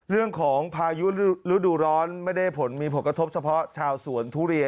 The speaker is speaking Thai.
พายุฤดูร้อนไม่ได้ผลมีผลกระทบเฉพาะชาวสวนทุเรียน